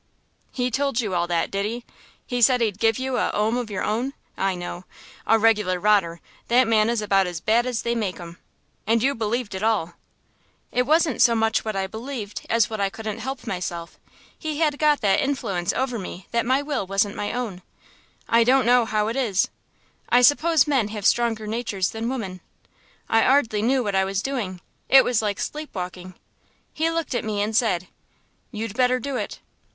"He told you all that, did he? He said he'd give you a 'ome of your own, I know. A regular rotter; that man is about as bad as they make 'em. And you believed it all?" "It wasn't so much what I believed as what I couldn't help myself. He had got that influence over me that my will wasn't my own. I don't know how it is I suppose men have stronger natures than women. I 'ardly knew what I was doing; it was like sleep walking. He looked at me and said, 'You'd better do it.'